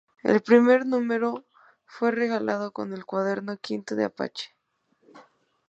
El primer número fue regalado con el cuaderno quinto de "Apache".